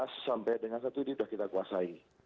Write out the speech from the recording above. sebelas sampai dengan satu ini sudah kita kuasai